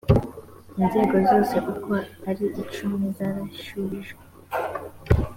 inzego zose uko ari icumi zarashubijwe